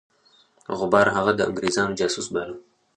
غبار هغه د انګرېزانو جاسوس باله.